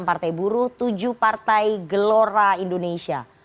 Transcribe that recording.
enam partai buruh tujuh partai gelora indonesia